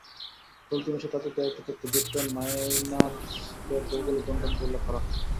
চলতি মাসে তাদের দেয়া একটি তথ্যে বিটকয়েন মাইনারসদের ভৌগোলিক বণ্টনকে উল্লেখ করা হয়।